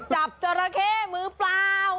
จราเข้มือเปล่า